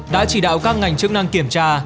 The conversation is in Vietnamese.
đã chỉ đạo các ngành chức năng kiểm tra